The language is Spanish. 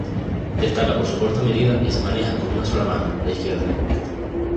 Destaca por su corta medida y se maneja con una sola mano, la izquierda.